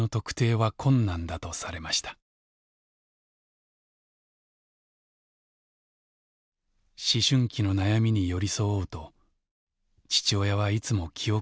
思春期の悩みに寄り添おうと父親はいつも気を配ってきたはずでした。